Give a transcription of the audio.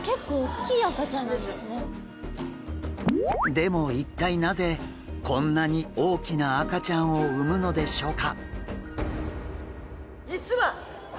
でも一体なぜこんなに大きな赤ちゃんを産むのでしょうか？